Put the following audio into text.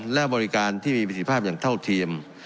และบริการที่มีประสิทธิภาพอย่างเท่าเทียม